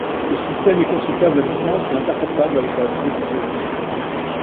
Ce système est consultable à distance et interfaçable avec la télésurveillance.